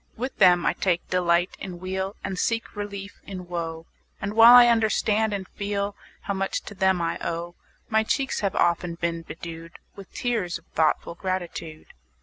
With them I take delight in weal And seek relief in woe; And while I understand and feel How much to them I owe, 10 My cheeks have often been bedew'd With tears of thoughtful gratitude.